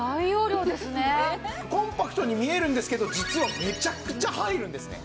コンパクトに見えるんですけど実はめちゃくちゃ入るんですね。